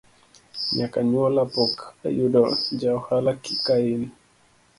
Nyaka nyuola pok ayudo ja ohala kain